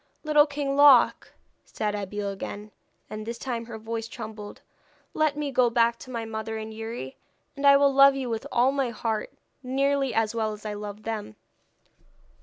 'Little King Loc,' said Abeille again and this time her voice trembled 'let me go back to my mother and Youri, and I will love you with all my heart, nearly as well as I love them.'